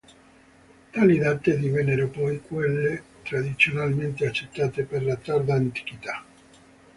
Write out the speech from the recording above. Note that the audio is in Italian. Tali date divennero poi quelle tradizionalmente accettate per la Tarda Antichità.